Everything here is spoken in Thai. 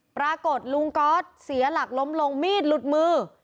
ปรากฏลุงก๊อตเสียหลักล้มลงมีดหลุดมือ